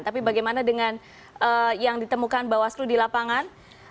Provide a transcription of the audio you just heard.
tapi bagaimana dengan yang ditemukan bapak selu di lapangan